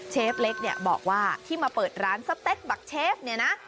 เล็กเนี่ยบอกว่าที่มาเปิดร้านสเต็กบักเชฟเนี่ยนะ